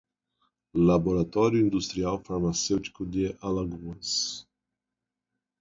Laboratório Industrial Farmacêutico de Alagoas